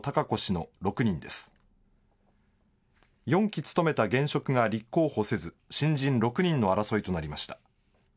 ４期務めた現職が立候補せず新人６人の争いとなりました。